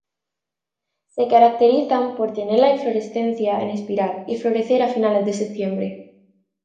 Se caracterizan por tener la inflorescencia en espiral y florecer a finales de septiembre.